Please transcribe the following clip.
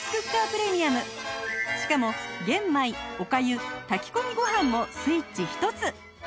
しかも玄米おかゆ炊き込みご飯もスイッチひとつ